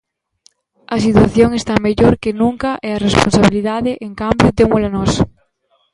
A situación está mellor que nunca e a responsabilidade, en cambio, témola nós.